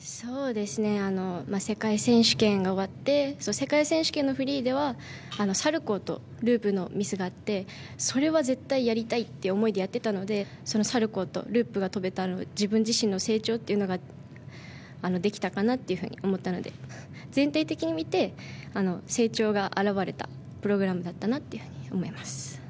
世界選手権が終わって世界選手権のフリーではサルコウとループのミスがあってそれは絶対やりたいって思いでやっていたのでサルコウとループが跳べたのが自分自身、成長できたかなと思ったので、全体的に見て成長が表れたプログラムだったなと思います。